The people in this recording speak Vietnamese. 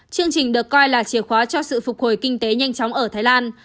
chương trình được coi là chìa khóa cho sự phục hồi kinh tế nhanh chóng ở thái lan